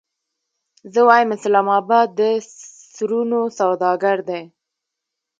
زه وایم اسلام اباد د سرونو سوداګر دی.